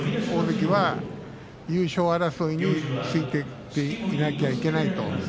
大関は優勝争いについていかなきゃいけない。